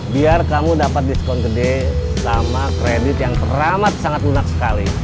biar kamu dapat diskon gede lama kredit yang teramat sangat lunak sekali